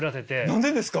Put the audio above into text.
何でですか？